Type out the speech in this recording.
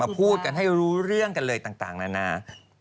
พูดกันให้รู้เรื่องกันเลยต่างนานา